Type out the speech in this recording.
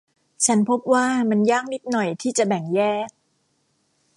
ฉันพบว่ามันยากนิดหน่อยที่จะแบ่งแยก